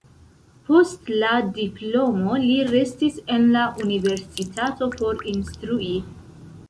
Post la diplomo li restis en la universitato por instrui.